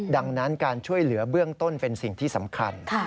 ดังนั้นการช่วยเหลือเบื้องต้นเป็นสิ่งที่สำคัญ